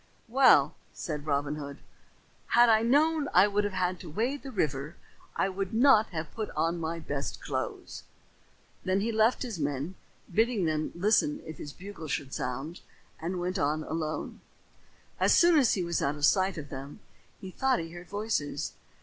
"Well," said Robin Hood, "had I known I would have to wade the river I would not have put on my best clothes." Then he left his men, bidding them listen if his bugle should sound, and went on alone. As soon as he was out of sight of them, he thought he heard voices.